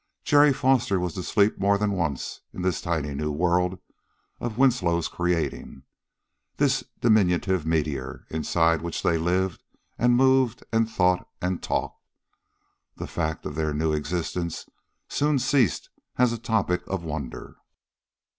Jerry Foster was to sleep more than once in this tiny new world of Winslow's creating, this diminutive meteor, inside which they lived and moved and thought and talked. The fact of their new existence soon ceased as a topic of wonder.